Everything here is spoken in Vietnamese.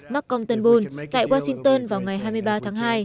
mark compton boone tại washington vào ngày hai mươi ba tháng hai